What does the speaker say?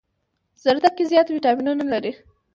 زردکي زيات ويټامينونه لري